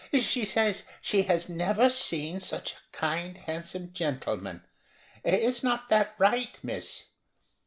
"She says: "She has never seen such a kind, handsome gentleman." Is not that right, Miss?"